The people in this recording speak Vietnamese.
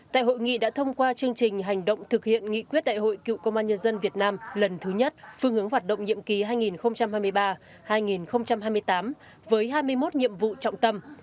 tại hội nghị đã thông qua chương trình hành động thực hiện nghị quyết đại hội cựu công an nhân dân việt nam lần thứ nhất phương hướng hoạt động nhiệm kỳ hai nghìn hai mươi ba hai nghìn hai mươi tám với hai mươi một nhiệm vụ trọng tâm